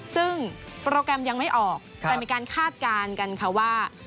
ซึ่งโปรแกรมยังไม่ออกแต่มีการคาดการณ์กันค่ะว่า